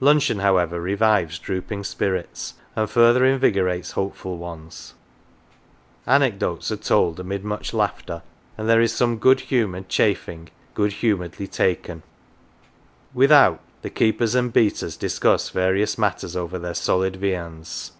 Luncheon, however, revives drooping spirits, and further invigorates hopeful ones ; anecdotes are told amid much laughter, and there is some good humoured chaffing, good humoured ly taken. 255 MATES Without, the keepers and beaters discuss various matters over their solid viands.